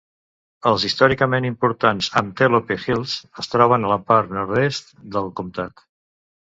Els històricament importants Antelope Hills es troben a la part nord-est del comtat.